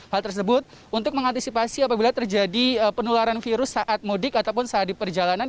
hal tersebut untuk mengantisipasi apabila terjadi penularan virus saat mudik ataupun saat di perjalanan